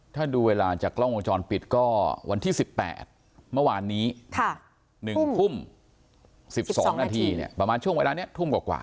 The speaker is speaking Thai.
ถ้าดูเวลาจากกล้องวงจรปิดก็วันที่๑๘เมื่อวานนี้๑ทุ่ม๑๒นาทีเนี่ยประมาณช่วงเวลานี้ทุ่มกว่า